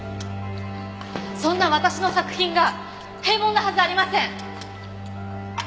そんな私の作品が平凡なはずありません！